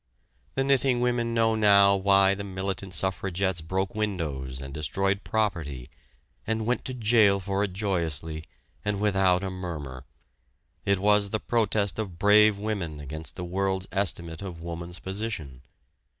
The knitting women know now why the militant suffragettes broke windows and destroyed property, and went to jail for it joyously, and without a murmur it was the protest of brave women against the world's estimate of woman's position.